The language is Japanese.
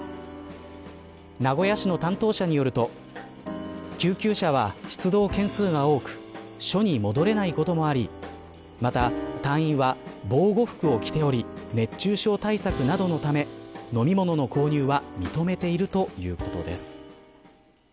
名古屋市の担当者によると救急車は出動件数が多く署に戻れないこともありまた隊員は防護服を着ており熱中症対策などのため飲み物の購入は認めているということです。